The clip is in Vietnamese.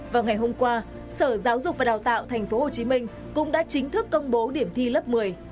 vào ngày hôm qua sở giáo dục và đào tạo tp hcm cũng đã chính thức công bố điểm thi lớp một mươi